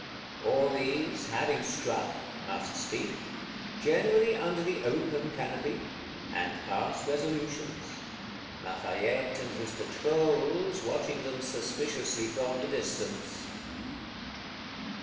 All these, having struck, must speak; generally under the open canopy; and pass resolutions;—Lafayette and his Patrols watching them suspiciously from the distance.